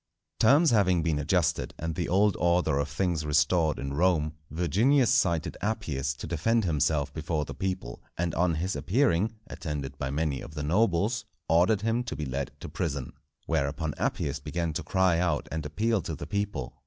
_ Terms having been adjusted, and the old order of things restored in Rome, Virginius cited Appius to defend himself before the people; and on his appearing attended by many of the nobles, ordered him to be led to prison. Whereupon Appius began to cry out and appeal to the people.